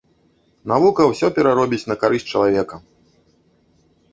Навука ўсё пераробіць на карысць чалавека!